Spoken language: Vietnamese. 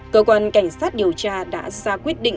cơ quan cảnh sát điều tra đã ra quyết định